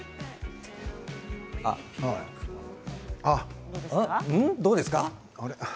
ああどうですか。